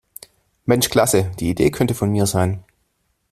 Mensch Klasse, die Idee könnte von mir sein.